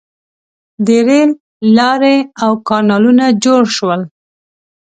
• د رېل لارې او کانالونه جوړ شول.